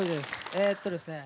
えっとですね